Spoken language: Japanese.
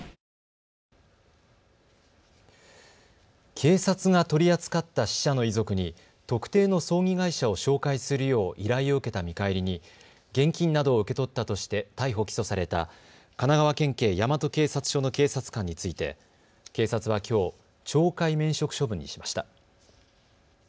警察が取り扱った死者の遺族に特定の葬儀会社を紹介するよう依頼を受けた見返りに現金などを受け取ったとして逮捕・起訴された神奈川県警大和警察署の警察官について、警察はきょう、懲戒免職処分にしました。